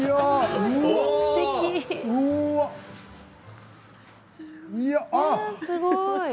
すごい。